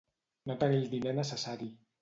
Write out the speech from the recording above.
No tenir el diner necessari.